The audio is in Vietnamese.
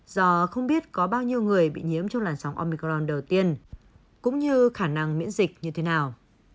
do không biết có bao nhiêu người bị nhiễm trong làn sóng omicron đầu tiên cũng như khả năng miễn dịch như thế nào